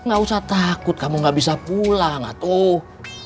ga usah takut kamu ga bisa pulang atuh